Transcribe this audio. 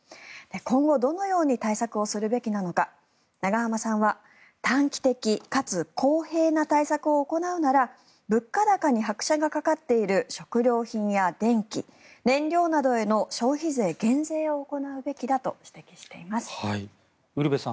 今後、どのように対策をするべきなのか永濱さんは短期的かつ公平な対策を行うなら物価高に拍車がかかっている食料品や電気、燃料などへの消費税減税を行うべきだと指摘しています。